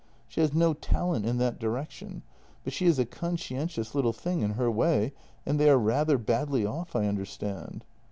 She has no talent in that direction, but she is a conscientious little thing in her way, and they are rather badly off, I understand.